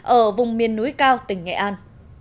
ở vùng miền núi cao tỉnh nghệ an